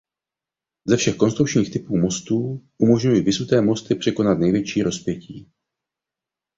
Ze všech konstrukčních typů mostů umožňují visuté mosty překonat největší rozpětí.